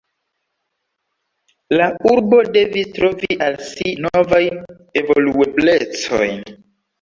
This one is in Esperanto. La urbo devis trovi al si novajn evolueblecojn.